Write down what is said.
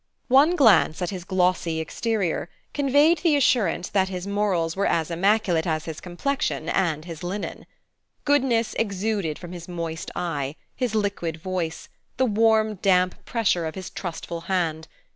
One glance at his glossy exterior conveyed the assurance that his morals were as immaculate as his complexion and his linen. Goodness exuded from his moist eye, his liquid voice, the warm damp pressure of his trustful hand.